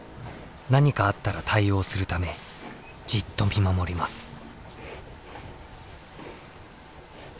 何かあったら対応するためじっと見守ります。